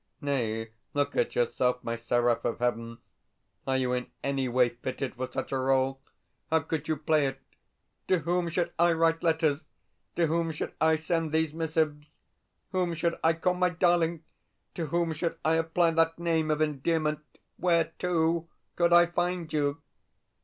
Nay; look at yourself, my seraph of heaven. Are you in any way fitted for such a role? How could you play it? To whom should I write letters? To whom should I send these missives? Whom should I call "my darling"? To whom should I apply that name of endearment? Where, too, could I find you?